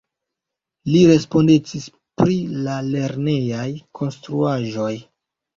Li respondecis pri la lernejaj konstruaĵoj.